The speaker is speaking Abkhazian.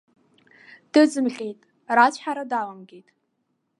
Дыҵымҟьеит, рацәҳара даламгеит.